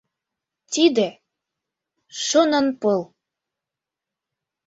— Тиде — шонанпыл.